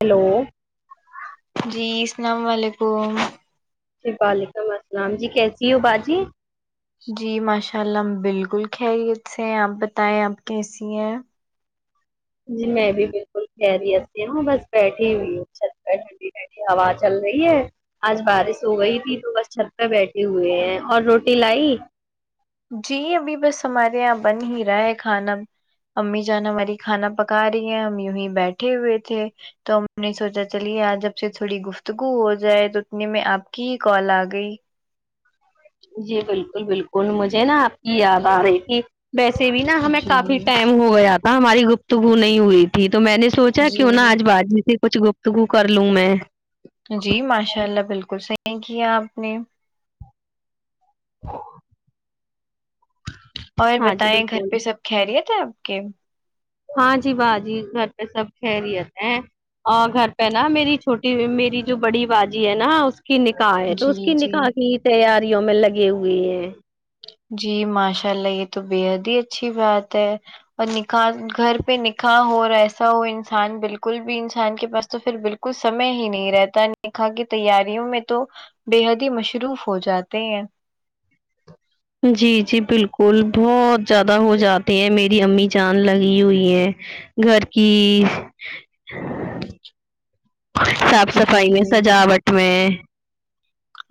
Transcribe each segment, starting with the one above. hello جی السلام علیکم جی وعلیکم السلام جی کیسی ہو باجی جی ماشاء اللہ ہم بالکل خیریت سے ہیں آپ بتائیں آپ کیسی ہیں جی میں بھی بالکل خیریت سے ہوں بس بیٹھی ہوئی ہوں چھت پے ٹھنڈی ہوا چل رہی ہے آج بارش ہو گئی تھی تو بس چھت پہ بیٹھے ہوئے ہیں اور روٹی لائی جی ابھی بس ہمارے یہاں بن ہی رہا ہے کھانا امی جان ہماری کھانا پکا رہی ہیں ہم یوں ہی بیٹھے ہوئے تھے تو ہم نے سوچا چلیے آج آپ سے تھوڑی گفتگو ہو جائے تو اتنے میں آپ کی ہی کال آ گئی جی بالکل بالکل مجھے نا آپ کی یاد آرہی تھی ویسے بھی نا ہمیں کافی جی ٹائم ہو گیا تھا ہماری گفتگو نہیں ہوئی تھی تو میں نے سوچا کیوں نا جی آج باجی سے کچھ گفتگو کر لوں میں جی ماشاء اللہ بالکل صحیح کیا آپ نے [inaudible] اور ہاں جی بتائیں گھر بالکل پہ سب خیریت ہے آپ کے ہاں جی باجی گھر پہ سب خیریت ہیں آ گھر پہ نا میری چھوٹی میری جو بڑی باجی ہے نا کی نکاح ہے تو اس کی جی جی نکاح کی تیاریوں میں لگے ہوئے ہیں جی ماشاء اللہ یہ تو بےحد ہی اچھی بات ہے اور نکاح گھر پہ نکاح ہو رہا ہے ایسا وہ انسان بالکل بھی انسان کے پاس تو پھر بالکل کچھ سمے ہی نہیں رہتا نکاح کی تیاریوں میں تو بے حد ہی مشروف ہو جاتے ہیں جی جی بالکل بہت زیادہ ہو جاتے ہیں میری امی جان لگی ہوئی ہے گھر کی صاف صفائی میں جی سجاوٹ میں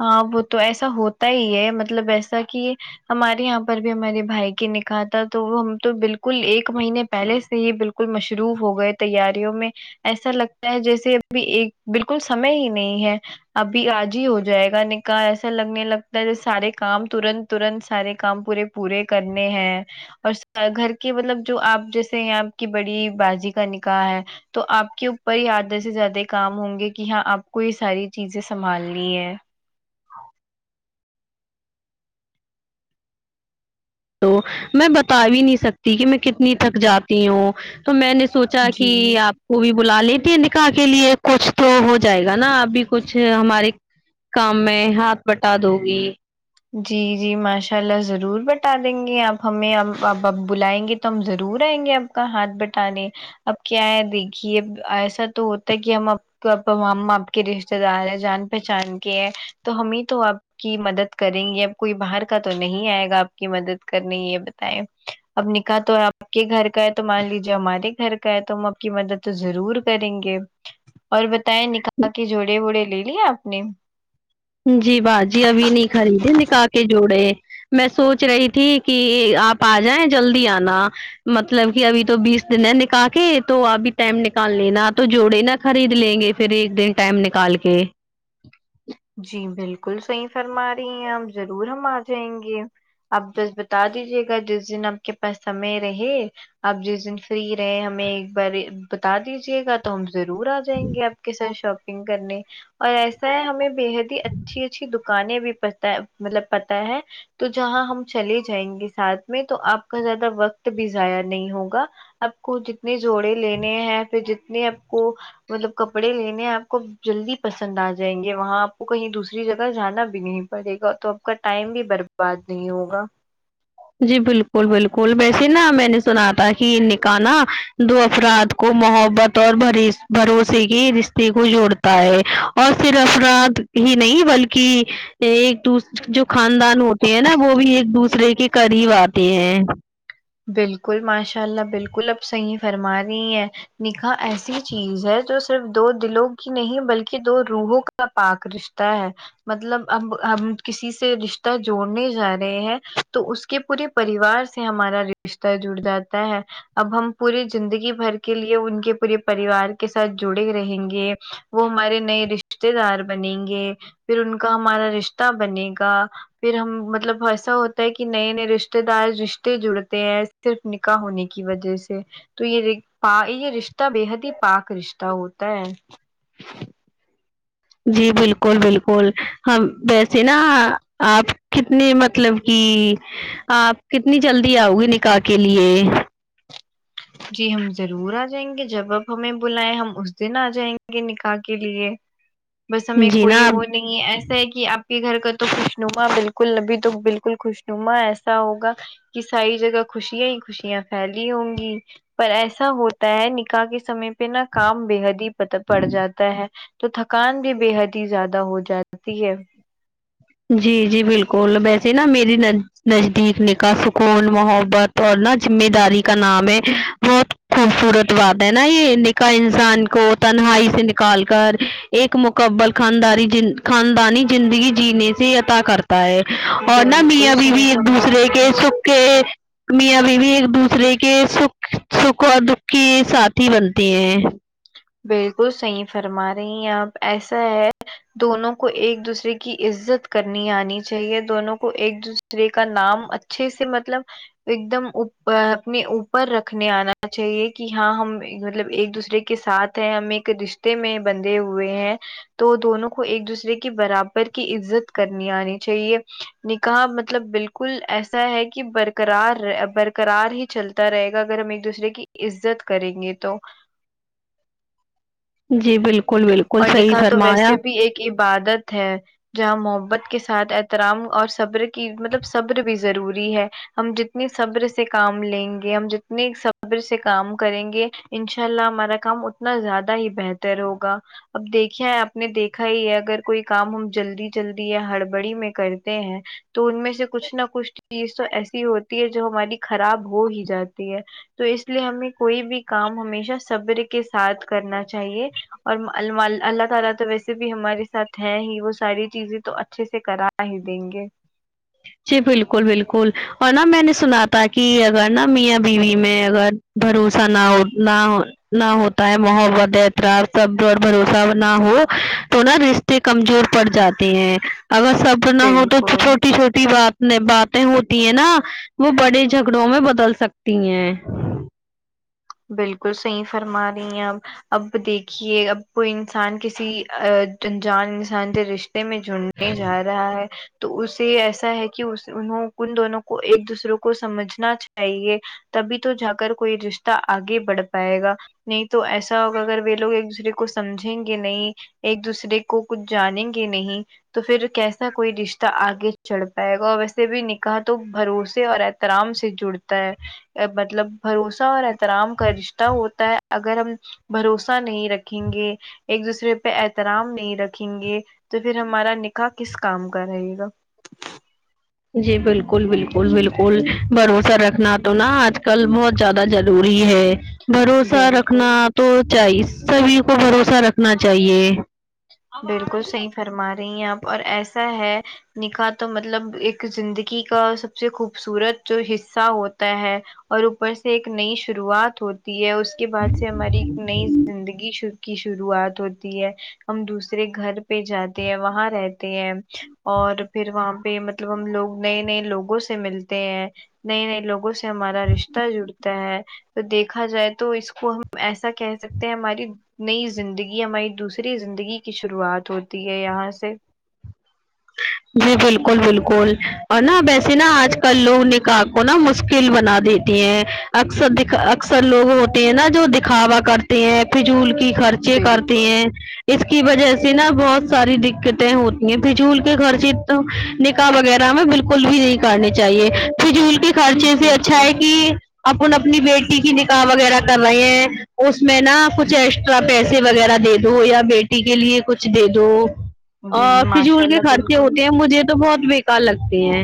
ہاں وہ تو ایسا ہوتا ہی ہے مطلب ایسا کہ ہمارے یہاں پر بھی ہمارے بھائی کے نکاح تھا تو وہ ہم تو بالکل ایک مہینے پہلے سے ہی بالکل کل مشروف ہو گئے تیاریوں میں ایسا لگتا ہے جیسے ابھی ایک بلکل سمئے ہی نہیں ہے ابھی آج ہی ہو ج جائے گا نکاح ایسا لگنے لگتا ہے جو سارے کام ترنت ترنت سارے کام پورے پورے کرنے ہیں اور سر گھر کے مطلب جو آپ جیسے آپ کی بڑی باجی کا نکاح ہے تو آپ کے اوپر ہی آدھے سے زیادہ کام ہوں گے کہ ہاں آپ کو یہ ساری چیزیں سنبھالنی ہے تو میں بتا بھی نہیں سکتی کہ میں کتنی تک جاتی ہوں تو میں نے سوچا جی کہ آپ وہ بھی بلا لیتی ہے نکاح کے لیے کچھ تو ہو جائے گا نا ابھی کچھ ہمارے کام میں ہاتھ بٹا دو گی جی جی ماشاء اللہ ضرور بتا دیں گے آپ ہمیں اب اب اب بلائیں گے تو ہم ضرور آئیں گے اب کا ہاتھ بٹانے اب کیا ہے دیکھیے ایسا تو ہوتا ہے کہ ہم تو آپام آپ کے رشتتے دار ہیں جان پہچان کے ہیں تو ہمیں تو آپ کی مدد کریں گی اب کوئی باہر کا تو نہیں آئے گا آپ کی مدد کرنے یہ بتائیں اب نکاح تو آپ کے گھر کا ہے تو مان لیجیے ہمارے گھر کا ہے تو ہم آپ کی مدد تو ضرور کریں گے اور بتائے نکاح کے جوڑے وڑے لے لیے آپ نے جی باجی ابھی نہیں خری دے نکاح کے جوڑے میں سوچ رہی تھی کہ آپ آ جائیں جلدی آنا مطلب کہ ابھی تو بیس دن ہے نکاح کے تو ابھی ٹائم نکال لینا تو جوڑے نا خرید لیں گے پھر ایک دن ٹائم نکال کے جی بلکل صحیح فرما رہی ہیں ہم ضرور ہم آ جائیں گے آپ بس بتا دیجیے گا جس دن آپ کے پاس سمے رہے آپ جس دن فری رہے ہمیں ایک بار بتا دیجیے گا تو ہم ضرور آ جائیں گے آپ کے ساتھ شاپنگ کرنے اور ایسا ہے ہمیں بےحد اچھی اچھی دکانیں بھی پتا مطلب پتہ ہے تو جہاں ہم چلے جائیں گے ساتھ میں تو آپ کا زیادہ وقت بھی ضائع نہیں ہوگا آپ کو جتنے جوڑے لینے ہیں پھر جتنے آپ کو مطلب کپڑے لینے آپ کو جلدی پسند آ جائیں گے وہاں کو کہیں دوسری جگہ جانا بھی نہیں پڑے گا تو آپ کا ٹائم بھی برباد نہیں ہوگا جی بلکل بلکل ویسے نا میں نے سنا تھا کہ نکاح نہ دو افراد کو محبت اور بھروسے کے رشتے کو جوڑتا ہے اور پھر افراد ہی نہیں بلکہ ایک دوسر جو خاندان ہوتے ہیں نا وہ بھی ایک دوسرے کے قریب آتے ہیں بلکل ماشاء اللہ بلکل اب صحیح فرما رہی ہیں نکاح ایسی چیز ہے جو صرف دو دلوں کی نہیں بلکہ دو روحوں کا کا پاک رشتہ ہے مطلب اب ہم کسی سے رشتہ جوڑنے جا رہے ہیں تو اس کے پورے پریوار سے ہمارا رشتہ جڑ جاتا ہے اب ہم پورے زندگی بھر کے لیے ان کے پورے پریوار کے ساتھ جڑے رہیں گے وہ ہمارے نئے رشتے دار بنیں گے پھر ان کا ہمارا رشتہ بنے گا پھر ہم مطلب ایسا ہوتا ہے کہ نئے نئے رشتے دار رشتے جڑتے تے ہیں صرف نکاح ہونے کی وجہ سے تو یہ یہ رشتہ بے حد ہی پاک رشتہ ہوتا ہے جی بلکل بلکل ہم ویسے نا آپ کتنی مطلب کہ آپ کتنی جلدی آؤ گی نکاح کے لیے جی ہم ضرور آ جائیں گے جب آپ ہمیں بلائیں ہم اس دن آ جائیں گے نکاح کے لیے بس ہمیں جی کوئی نا آپ وہ نہیں ہے ایسا ہے کہ آپ ک گھر کا تو خوشنما بلکل ابھی تو بلکل خوشنما ایسا ہوگا کہ ساری جگہ خوشیاں ہی خوشیاں پھیلی ہوں گی پر ایسا ہوتا ہے نکاح کے سمے پہ نا کام بے حد ہی پڑ جاتا ہے تو تھکان بھی بے حد ہی زیادہ ہو جاتی ہے جی جی بالکل ویسے نا میری نز نزدیک نکاح سکون محبت اور نا ذمہ داری کا نام ہے بہت خوبصورت بات ہے نا یہ کا انسان کو تنہائی سے نکال کر ایک مکمل خاندانی جن خاندانی زندگی جینے اتا کرتا ہے اور نہ بالکل میاں بیوی صحیح ایک فرما دوسرے رہی کے ہیں سکھ کے میاں بیوی ایک دوسرے کے سکھ سکھ اور دکھ کی ساتھی بنتی ہیں بالکل صحیح فرما رہی ہیں آپ ایسا ہے دونوں کو ایک دوسرے کی عزت کرنی آنی چاہیے دونوں کو ایک دوس رے کا نام اچھے سے مطلب ایک دم اپنے اوپر رکھنے آنا چاہیے کی ہاں ہم مطلب ایک دوسرے کے ساتھ ہیں ہم ایک رشتے میں بندھے ہوئے ہیں تو دونوں کو ایک دوسرے کی برابر کی عزت کرنی آنی چاہیے نکاح مطلب بالکل ایسا ہے کی برقرار برقرار ہی چل تا رہے گا اگر ہم ایک دوسرے کی عزت کریں گے تو جی بالکل بالکل اور صحیح نکاح تو فرمایا ویسے بھی ایک کی عبادت ہے جہاں محبت کے ساتھ احترام اور صبر کی مطلب صبر بھی ضروری ہے ہم جتنی صبر سے کام لیںگے ہم جتنی صبر سے کام کریںگے انشاء اللہ ہمارا کام اتنا زیادہ ہی بہتر ہوگا اب دیکھیا ہے آپ نے دیکھا ہی ہے اگر کوئی کام ہم جلدی جلدی یا ہڑبڑی میں کرتے ہیں تو ان میں سے کچھ نہ کچھ چیز تو ایسی ہوتی ہے جو ہماری خراب ہو ہی جاتی ہے تو اس لیے ہمیں کوئی بھی کام ہمیشہ صبر کے ساتھ کرنا چاہیے اور اللہ تعالی تو ویسے بھی ہمارے ساتھ ہے ہی وہ ساری چیزیں تو اچھے سے کرا ہی دیںگے جی بالکل بالکل اور نہ میں نے سنا تھا کی اگر نا میاں بیوی میں اگر بھروسہ نہ ہو نہ ہو نہ ہوتا ہے محبت احترام سب پر بھروسہ نہ ہو تو نہ رشتے سے کمزور پڑ جاتے ہیں اگر صبر نہ ہو تو بالکل چھوٹی چھوٹی تی بات باتیں ہوتی ہیں نہ وہ بڑے جھگڑوں میں بدل سکتی ہیں بالکل صحیح فرما رہی ہیں آپ اب دیکھیے اب وہ انسان کسی انجان انسان سے رشت تے میں جڑنے جا رہا ہے تو اسے ایسا ہیکی انھو ان دونوں کو ایک دوسرے کو سمجھنا چاہیے تبھی تو جا کر کوئی رشہ آگے بڑھ پائے گا نہیں تو ایسا ہوگا اگر وہ لوگ ایک دوسرے کو سمجھیں گے نہیں ایک دوسرے کو کچھ جانیں گے نہیں تو پھر کیسا کوئی رشتہ آگے چڑھ پائے گا اور ویسے بھی نکاح تو بھروسے ہو اح ترام سے جڑتا ہے مطلب بھروسہ اور احترام کا رشتہ ہوتا ہے اگر ہم بھروسہ نہیں رکھیں گے ایک دوسرے پہ احترام نہیں رکھیں گے تو پھر ہمارا نکاح کس کام کا رہے گا جی بالکل بالکل بالکل بھروسہ رکھنا تو نہ آج کل بہت زیادہ ضروری ہے بھروسہ رکھنا بالکل تو چاہیے سبھی کو بھروسہ رکھنا چاہیے بالکل صحیح فرما رہی ہیں آپ اور ایسا ہے نکھاح تو مطلب ایک زندگی کا سب سے خوبصورت جو حصہ ہوتا ہے اور اوپر سے ایک نئی شروعات ہوتی ہے اس کے بعد سے ہماری نئی زندگی شروع کی شروعات ہوتی ہے ہم دوسرے گھر پہ جاتے ہیں وہاں رہتے ہیں اور پھر وہاں پہ مط ہم لوگ نئے نئے لوگوں سے ملتے ہیں نئے نئے لوگوں سے ہمارا رشتہ جڑتا ہے تو دیکھا جائے تو اس کو ہم ایسا کہہ سکتے ہیں ہماری نئی زندگی ہماری دوسری زندگی کی شروعات ہوتی ہے یہاں سے جی بالکل بالکل اور نا ویسیے نا آج کل لوگ نکاح کو نا مشکل بنا دی اکثر د اکثر لوگ ہوتے ہیں نا جو دکھاوا کرتے ہیں فضول کی خرچے کرتی بالکل ہیں اس کی وجہ سے نا بہت ساری دقتیں ہوتی ہیں فجول خرچے تو نکاح وغیرہ میں بالکل بھی نہیں کرنی چاہیے فجول کے خرچے سے جی اچھا ہے کہ اپن اپنی بیٹی کی نکاح وغیرہ کر رہے ہیں اس اس میں نا کچھ ایکسٹرا پیسے وغیرہ دے دو یا بیٹی کے لیے کچھ دے دو جی ماشاء فضول کے اللہ خرچے بالکل ہوتے ہیں مجھے تو بہت بےکار لگتی ہیں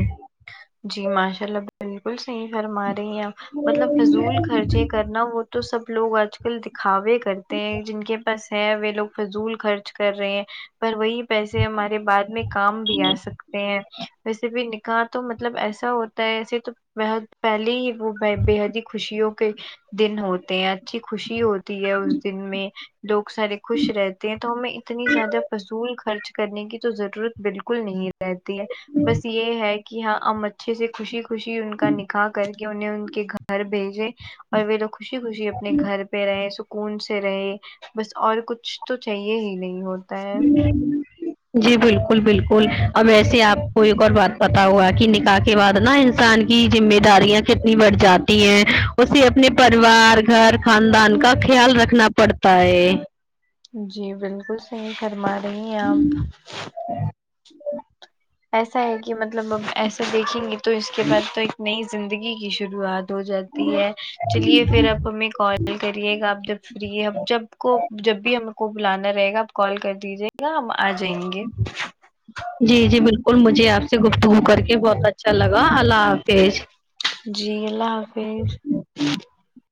جی ماشاء اللہ باجی بالکل صحیح فرما رہی ہیں مطلب فضول خرچے کرنا وہ تو سب لوگ آجک ل دکھاوے کرتے ہیں جن کے پاس ہے وہ لوگ فضول خرچ کر رہے ہیں پر وہی پیسے ہمارے بعد میں کام بھی آ سکتے ہیں ویسے بھی نکاح تو مطلب ایسا ہوتا ہے ایسے تو بےحد پہلے ہی وہ بےحد ہی خوشیوں کے دن ہوتے ہیں اچھی خوشی ہوتی ہے اس دن میں لوگ سارے خوش رہتے تو ہمیں اتنی زیادہ فصول خرچ کرنے کی تو ضرورت بالکل نہیں رہتی ہے بس یہ ہے کہ ہاں ہم اچھے سے خوشی خوشی ان کا نکاح کریں کہ انیں ان کے گھر بھیجے اور وہ لوگ خوشی خوشی اپنے گھر پہ رہے سکون سے رہے بس اور کچھ تو چاہیے ہی نہیں ہوتا ہے جی بالکل بالکل اب ایسے آپ کو ایک اور بات پتا ہوا کہ نکاح کے بعد نا انسان کے کی ذمہ داریاں کتنی بڑھ جاتی ہیں اسے اپنے پریوار گھر خاندان کا خیال رکھنا پڑتا ہے جی بالکل صحیح فرما رہی ہیں آپ [inaudible] ایسا ہے کہ مطلب اب ایسا دیکھیں گے تو اس کے بعد تو ایک نئی زندگی کی شروعات ہو جاتی ہے چلیے پھر آپ ہمیں کال کریے گا آپ جب فری جب کو جب بھی ہم کو بلانا رہے گا آپ کال کر دیجیے گا ہم آ جائیں گے جی جی بالکل مجھے آپ سے گفتگو کر کے بہت اچھا لگا اللہ حافظ جی اللہ حافظ [unintelligible]